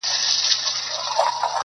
ها د ښكلا شاپېرۍ هغه د سكون شهزادگۍ